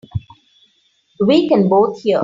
We can both hear.